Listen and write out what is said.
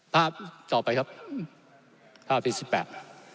ภาพต่อไปครับภาพที่สิบแปด